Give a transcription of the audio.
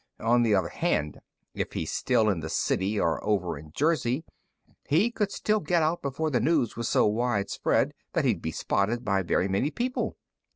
On the other hand, if he's still in the city or over in Jersey, he could still get out before the news was so widespread that he'd be spotted by very many people.